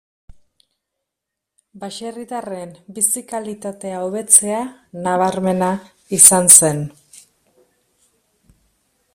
Baserritarren bizi-kalitatea hobetzea nabarmena izan zen.